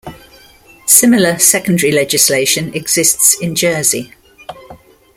Similar secondary legislation exists in Jersey.